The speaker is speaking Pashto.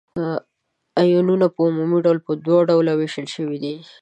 آیونونه په عمومي ډول په دوه ډلو ویشل شوي دي.